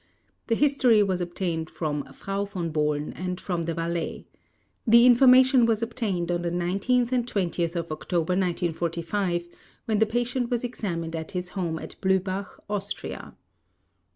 The history was obtained from Frau Von Bohlen and from the valet. The information was obtained on the 19th and 20th of October 1945 when the patient was examined at his home at Blühbach, Austria.